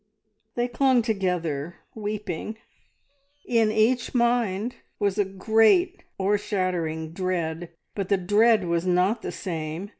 They clung together, weeping. In each mind was a great o'ershadowing dread, but the dread was not the same.